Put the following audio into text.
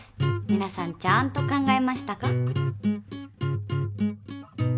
皆さんちゃんと考えましたか？